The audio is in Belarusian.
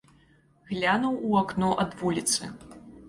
Глянуў у акно ад вуліцы.